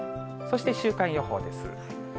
そして週間予報です。